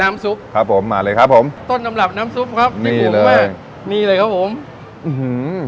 น้ำซุปครับผมมาเลยครับผมต้นสำหรับน้ำซุปครับนี่เลยนี่เลยครับผม